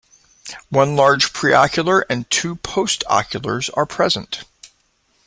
One large preocular and two postoculars are present.